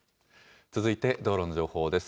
続いて道路の情報です。